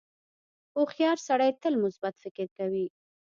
• هوښیار سړی تل مثبت فکر کوي.